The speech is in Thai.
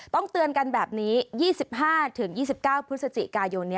ต้องเตือนกันแบบนี้๒๕๒๙พฤศจิกายน